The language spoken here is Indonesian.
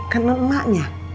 kan lo enaknya